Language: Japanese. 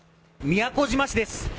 宮古島市です。